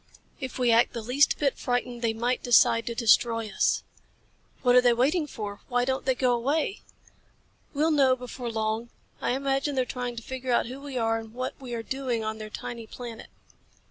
If we act the least bit frightened they might decide to destroy us." "What are they waiting for? Why don't they go away?" "We'll know before long. I imagine they're trying to figure out who we are and what we are doing on their tiny planet."